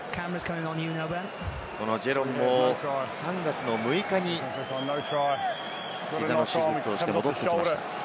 ジェロンも３月６日に膝の手術をして戻ってきました。